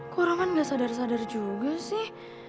kurang kan gak sadar sadar juga sih